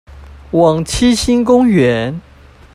往七星公園